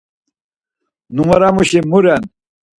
Numaramuşi mu ren?